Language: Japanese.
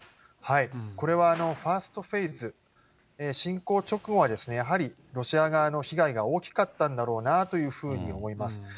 これはファーストフェイズ、侵攻直後はやはりロシア側の被害が大きかったんだろうなというふうに思います。